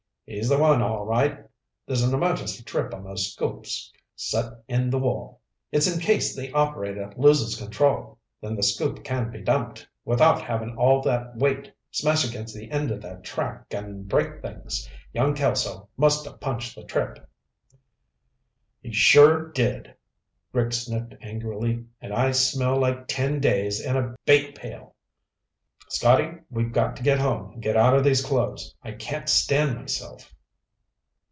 "He's the one, all right. There's an emergency trip on those scoops, set in the wall. It's in case the operator loses control. Then the scoop can be dumped without having all that weight smash against the end of the track and break things. Young Kelso must have punched the trip." "He sure did." Rick sniffed angrily. "And I smell like ten days in a bait pail. Scotty, we've got to get home and get out of these clothes. I can't stand myself."